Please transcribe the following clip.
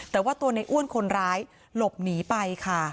แต่ว่าตัวในอ้วนคนร้ายหลบหนีไปค่ะ